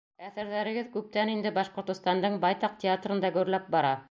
Әҫәрҙәрегеҙ күптән инде Башҡортостандың байтаҡ театрында гөрләп бара.